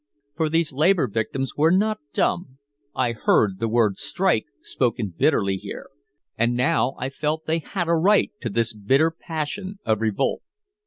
For these labor victims were not dumb, I heard the word "strike!" spoken bitterly here, and now I felt that they had a right to this bitter passion of revolt.